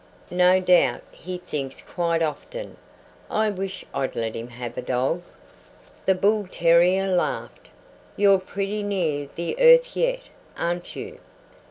"No doubt he thinks quite often, 'I wish I'd let him have a dog.'" The bull terrier laughed. "You're pretty near the earth yet, aren't you?"